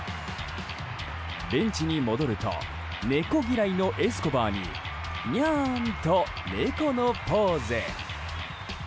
ベンチに戻ると猫嫌いのエスコバーににゃーん！と猫のポーズ。